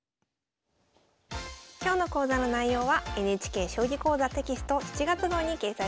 今日の講座の内容はＮＨＫ「将棋講座」テキスト７月号に掲載しています。